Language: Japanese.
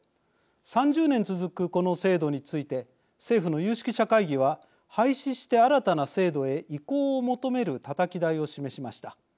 ３０年続くこの制度について政府の有識者会議は廃止して新たな制度へ移行を求めるたたき台を示しました。